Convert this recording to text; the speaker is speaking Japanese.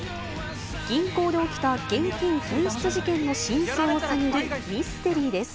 銀行で起きた現金紛失事件の真相を探るミステリーです。